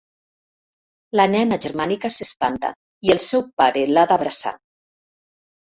La nena germànica s'espanta i el seu pare l'ha d'abraçar.